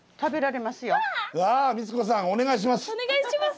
お願いします。